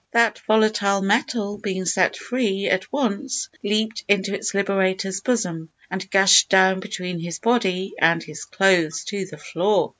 That volatile metal, being set free, at once leaped into its liberator's bosom, and gushed down between his body and his clothes to the floor!